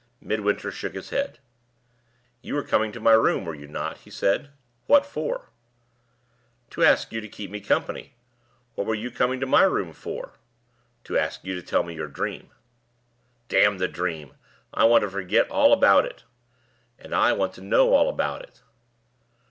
Midwinter shook his head. "You were coming to my room, were you not?" he said. "What for?" "To ask you to keep me company. What were you coming to my room for?" "To ask you to tell me your dream." "Damn the dream! I want to forget all about it." "And I want to know all about it."